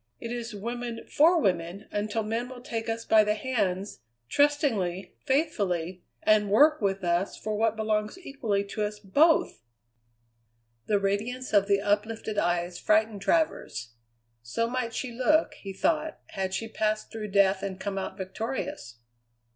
"It is woman for woman until men will take us by the hands, trustingly, faithfully, and work with us for what belongs equally to us both!" The radiance of the uplifted eyes frightened Travers. So might she look, he thought, had she passed through death and come out victorious.